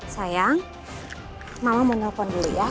sayang mama mau nelpon dulu ya